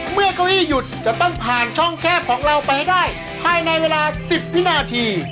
เก้าอี้หยุดจะต้องผ่านช่องแคบของเราไปให้ได้ภายในเวลา๑๐วินาที